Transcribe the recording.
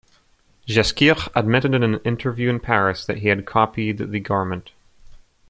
Ghesquiere admitted in an interview in Paris that he had copied the garment.